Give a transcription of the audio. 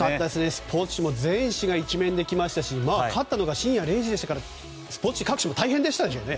スポーツ紙も全紙で１面で来ましたし勝ったのが深夜０時でしたからスポーツ紙各紙も大変でしたでしょうね。